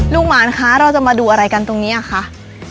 หมานคะเราจะมาดูอะไรกันตรงนี้อ่ะคะ